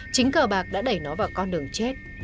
chính cờ bạc đã đẩy nó vào con đường chết